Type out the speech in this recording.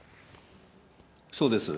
そうです。